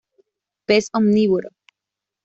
Pez omnívoro.